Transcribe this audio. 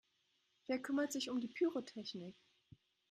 Wer kümmert sich um die Pyrotechnik?